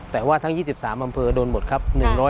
แต่ว่าทั้ง๒๓อำเภอโดนหมดครับ